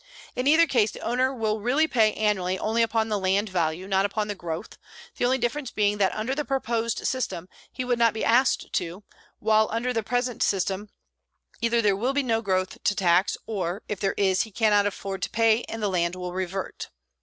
In either case the owner will really pay annually only upon the land value, not upon the growth; the only difference being that under the proposed system he would not be asked to, while under the present system either there will be no growth to tax, or, if there is, he cannot afford to pay and the land will revert.